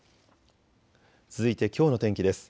続いてきょうの天気です。